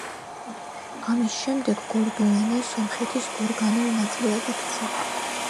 ამის შემდეგ გორდუენე სომხეთის ორგანულ ნაწილად იქცა.